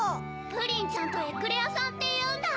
プリンちゃんとエクレアさんっていうんだ。